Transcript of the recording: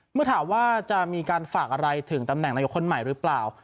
เมื่อถามว่าจะมีการฝากอะไรถึงตำแหน่งนายกคนใหม่หรือเปล่า